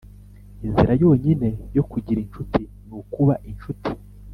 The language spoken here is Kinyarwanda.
inzira yonyine yo kugira inshuti nukuba inshuti.